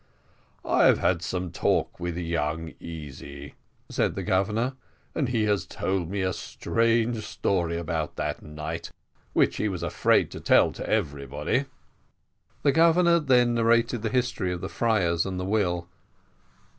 "I have had some talk with young Easy," said the Governor, "and he has told me a strange story about that night, which he was afraid to tell to everybody." The Governor then narrated the history of the friars and the will.